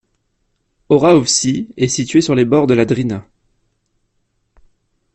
Orahovci est situé sur les bords de la Drina.